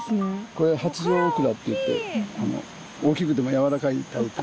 これ八丈オクラっていって大きくてもやわらかいタイプ。